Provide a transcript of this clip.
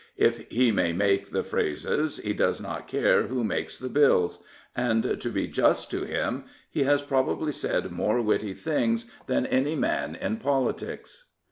If he may make the phrases he does not care who makes the Bills. And to be just to him, he has probably said more witty things than any man in politics.